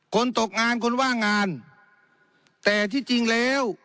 ตกงานคนว่างงานแต่ที่จริงแล้ว